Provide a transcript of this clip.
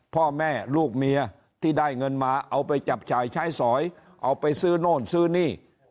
พ่อแม่ลูกเมียที่ได้เงินมาเอาไปจับจ่ายใช้สอยเอาไปซื้อโน่นซื้อนี่